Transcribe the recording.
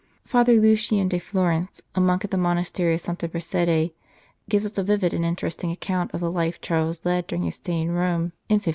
Father Lucien de Florence, a monk at the monastery of Santa Prassede, gives us a vivid and interesting account of the life Charles led during his stay in Rome in 1582.